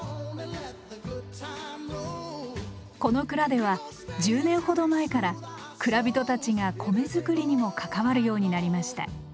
この蔵では１０年ほど前から蔵人たちが米作りにも関わるようになりました。